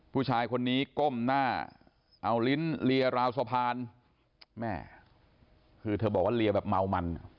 ผู้ชายคนนี้ก้มหน้าเอาลิ้นเลียราวสะพานแม่คือเธอบอกว่าเลียแบบเมามัน